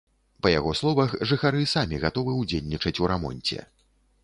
Па яго словах, жыхары самі гатовы ўдзельнічаць у рамонце.